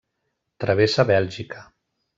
Travessa Bèlgica.